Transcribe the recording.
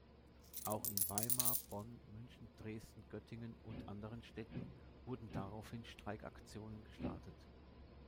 Auch in Weimar, Bonn, München, Dresden, Göttingen und anderen Städten wurden daraufhin Streikaktionen gestartet.